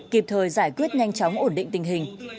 kịp thời giải quyết nhanh chóng ổn định tình hình